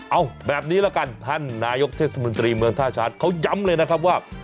เอาแบบนี้ละกันท่านนายกเทศมนตรีเมืองท่าชาร์จเขาย้ำเลยนะครับว่า